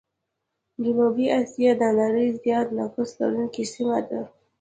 جنوبي آسيا د نړۍ زيات نفوس لرونکي سيمه ده.